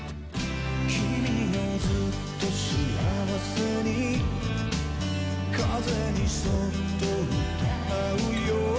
「君よずっと幸せに風にそっと歌うよ」